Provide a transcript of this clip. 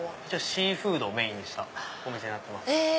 シーフードをメインにしたお店になってます。